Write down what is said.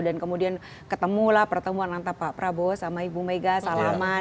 dan kemudian ketemu lah pertemuan antara pak prabowo sama ibu mega salaman